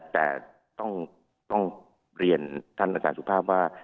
แต่ต้องเรียนท่านอาจารย์สุภาพว่า